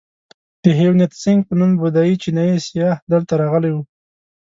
د هیونتسینګ په نوم بودایي چینایي سیاح دلته راغلی و.